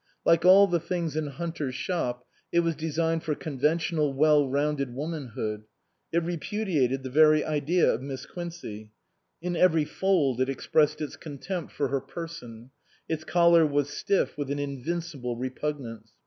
Like all the things in Hunter's shop, it was designed for conventional well rounded womanhood. It re pudiated the very idea of Miss Quincey ; in every fold it expressed its contempt for her person ; its collar was stiff with an invincible repugnance.